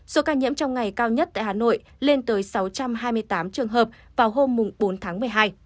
số ca nhiễm trong ngày cao nhất tại hà nội lên tới sáu trăm hai mươi tám trường hợp vào hôm bốn tháng một mươi hai